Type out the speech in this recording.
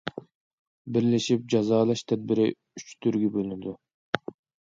بىرلىشىپ جازالاش تەدبىرى ئۈچ تۈرگە بۆلۈنىدۇ.